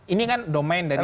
ini kan domain dari